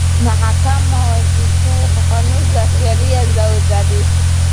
mahakama haikutoa ufafanuzi wa sheria za uhalifu